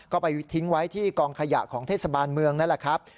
ก็ไปทิ้งไว้ที่กองขยะของเทศบาลเมืองนั่นแหละครับ